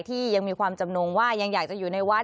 ยังมีความจำนงว่ายังอยากจะอยู่ในวัด